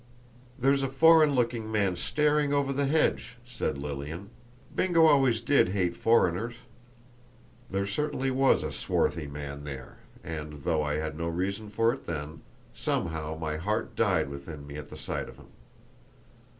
"There's a foreign looking man staring over the hedge," said Lilian; "Bingo always did hate foreigners." There certainly was a swarthy man there, and, though I had no reason for it then, somehow my heart died within me at the sight of him.